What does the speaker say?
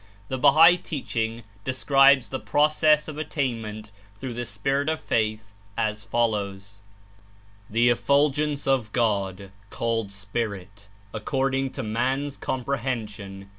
The Bahal teaching describes the process of attainment through the "Spirit of Faith," as follows: "The effulgence of God, called 'Spirit,' according to man's comprehension.